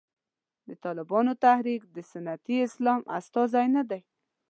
د طالبانو تحریک د سنتي اسلام استازی نه دی.